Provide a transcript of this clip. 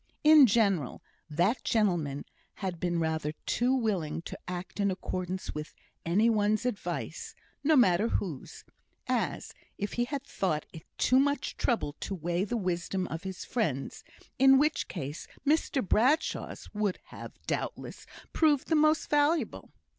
In general, that gentleman had been rather too willing to act in accordance with any one's advice, no matter whose; as if he had thought it too much trouble to weigh the wisdom of his friends, in which case Mr Bradshaw's would have, doubtless, proved the most valuable.